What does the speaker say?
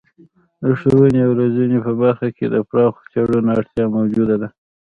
د ښوونې او روزنې په برخه کې د پراخو څیړنو اړتیا موجوده ده.